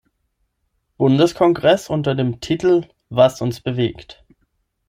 Bundeskongress unter dem Titel „Was uns bewegt.